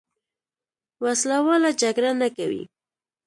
وسله واله جګړه نه کوي.